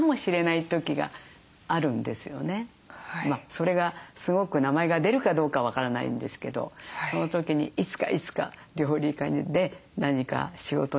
それがすごく名前が出るかどうか分からないんですけどその時にいつかいつか料理家で何か仕事になった時は必ず朝。